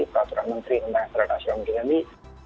peraturan menteri undang undang nasional pendidikan tinggi